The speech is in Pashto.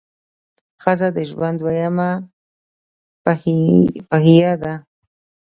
ښځه د ژوند دویمه پهیه ده.